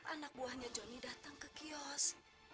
anak buahnya johnny datang ke kios